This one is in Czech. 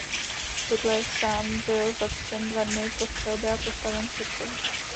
Hitler sám byl zatčen dva dny po střelbě a postaven před soud.